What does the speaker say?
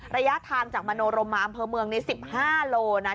ระยะทางจากอำเภอเมืองมาอำเภอเมืองใน๑๕โลเมตร